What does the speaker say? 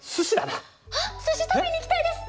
あっすし食べに行きたいです！